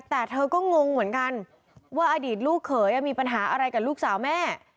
แต่เธอก็งงเหมือนกันว่าอดีตลูกเขยมีปัญหาอะไรกับลูกสาวแม่